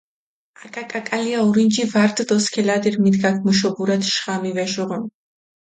აკაკაკალია ორინჯი ვა რდჷ დოსქილადირ, მიდგაქ მუშობურათ ჟღამი ვეშეღუნ.